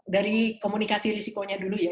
dari komunikasi risikonya dulu ya